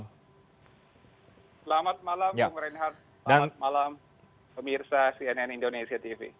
selamat malam bung reinhardt selamat malam pemirsa cnn indonesia tv